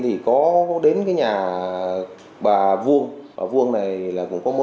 thì có đối tượng đối tượng đối tượng